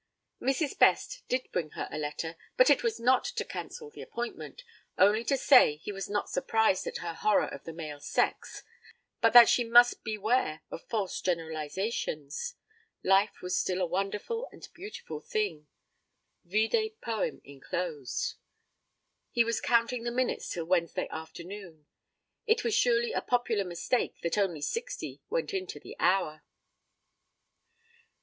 Mrs. Best did bring her a letter, but it was not to cancel the appointment, only to say he was not surprised at her horror of the male sex, but that she must beware of false generalizations. Life was still a wonderful and beautiful thing vide poem enclosed. He was counting the minutes till Wednesday afternoon. It was surely a popular mistake that only sixty went to the hour.